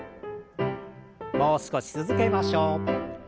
もう少し続けましょう。